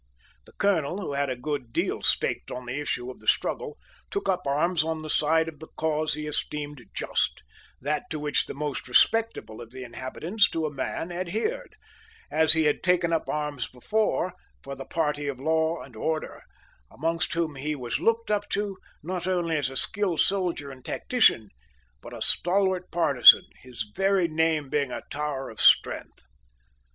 The colonel, who had a good deal staked on the issue of the struggle, took up arms on the side of the cause he esteemed just that to which the most respectable of the inhabitants to a man adhered as he had taken up arms before for the party of law and order, amongst whom he was looked up to, not only as a skilled soldier and tactician, but a stalwart partisan, his very name being a tower of strength.